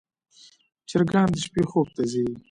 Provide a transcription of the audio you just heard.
چرګان د شپې خوب ته ځي.